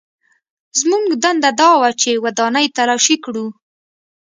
زموږ دنده دا وه چې ودانۍ تلاشي کړو